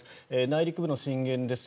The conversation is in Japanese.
内陸部の震源です。